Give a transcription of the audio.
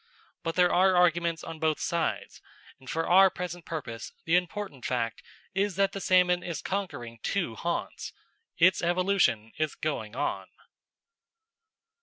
But there are arguments on both sides, and, for our present purpose, the important fact is that the salmon is conquering two haunts. Its evolution is going on.